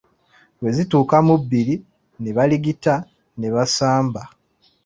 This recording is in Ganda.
Bwe zituuka mu bbiri ne baligita ne basamba.